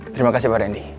terima kasih pak randy